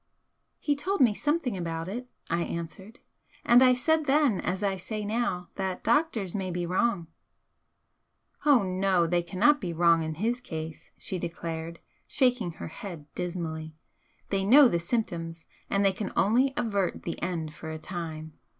"He told me something about it," I answered "and I said then, as I say now, that the doctors may be wrong." "Oh no, they cannot be wrong in his case," she declared, shaking her head dismally "They know the symptoms, and they can only avert the end for a time.